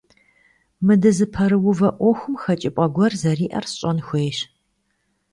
Мы дызыпэрыувэ Ӏуэхум хэкӀыпӀэ гуэр зэриӀэр сщӀэн хуейщ.